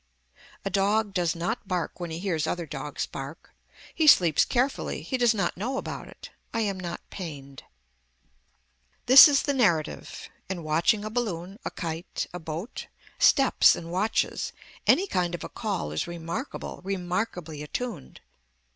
A dog does not bark when he hears other dogs bark. He sleeps carefully he does not know about it. I am not pained. This is the narrative. In watching a balloon, a kite, a boat, steps and watches, any kind of a call is remarkable remarkably attuned.